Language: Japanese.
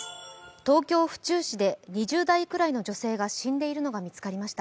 東京・府中市で２０代くらいの女性が死んでいるのが見つかりました。